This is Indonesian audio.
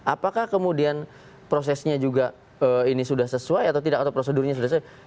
apakah kemudian prosesnya juga ini sudah sesuai atau tidak atau prosedurnya sudah sesuai